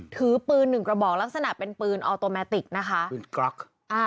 ถือปืนหนึ่งกระบอกลักษณะเป็นปืนออโตเมติกนะคะ